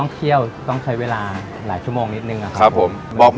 ครับผม